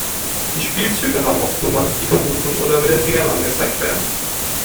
Die Spielzüge haben oft Nummern, die gerufen oder mit den Fingern angezeigt werden.